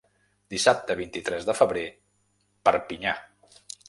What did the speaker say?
Dissabte vint-i-tres de febrer— Perpinyà.